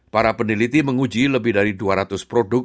para peneliti menguji lebih dari dua ratus produk